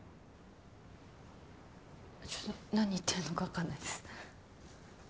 ちょっと何言ってんのかわかんないです。